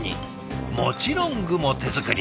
もちろん具も手作り。